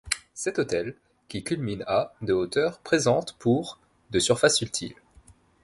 Cet hôtel, qui culmine à de hauteur, présente pour de surface utile.